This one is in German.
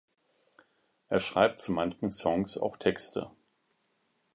Er schreibt zu manchen Songs auch Texte.